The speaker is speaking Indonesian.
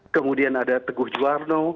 kemudian ada teguh juwarno